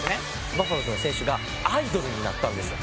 バファローズの選手がアイドルになったんですよ。